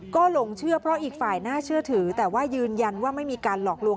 ก็หลงเชื่อเพราะอีกฝ่ายน่าเชื่อถือแต่ว่ายืนยันว่าไม่มีการหลอกลวง